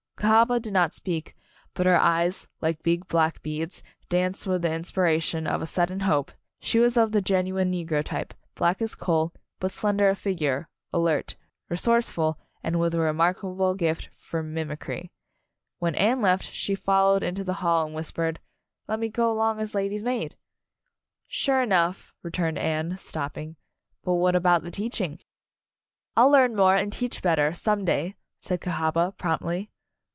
Cahaba did not speak, but her eyes, like big black beads, danced with the in spiration of a sudden hope. She was of the genuine negro type, black as a coal, but slender of figure, alert, resourceful and with a remarkable gift for mimicry. When Anne left she followed into the 20 Anne's Wedding hall and whispered, "Let me go 'long as lady's maid!" "Sure enough," returned Anne, stop ping, "but what about the teaching?" "I'll learn more, and teach better, some day," said Cahaba, promptly.